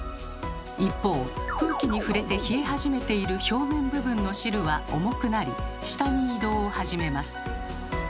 一方空気に触れて冷え始めている表面部分の汁は重くなり下に移動を始めます。